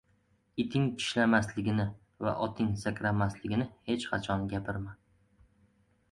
• Iting tishlamasligini va oting sakramasligini hech qachon gapirma.